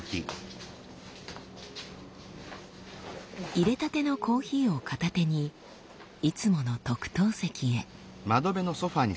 いれたてのコーヒーを片手にいつもの特等席へ。